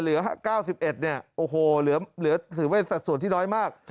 เหลือ๙๑เนี่ยโอ้โหเหลือถือไว้สัดส่วนที่น้อยมาก